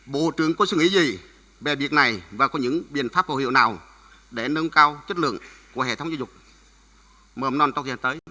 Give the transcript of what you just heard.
bộ trưởng có suy nghĩ gì về việc này và có những biện pháp phù hiệu nào để nâng cao chất lượng của hệ thống giáo dục mầm non trong thời gian tới